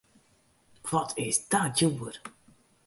Wat is dat djoer!